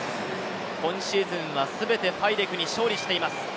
今シーズンはステベファイデクに勝利しています。